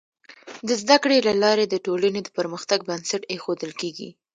د زده کړې له لارې د ټولنې د پرمختګ بنسټ ایښودل کيږي.